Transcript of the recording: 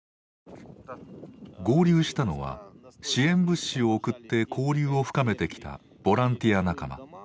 合流したのは支援物資を送って交流を深めてきたボランティア仲間。